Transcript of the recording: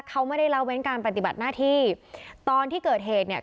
เขาไม่ได้ละเว้นการปฏิบัติหน้าที่ตอนที่เกิดเหตุเนี่ย